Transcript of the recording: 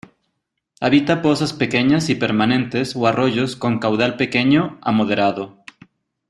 Habita pozas pequeñas y permanentes o arroyos con caudal pequeño a moderado.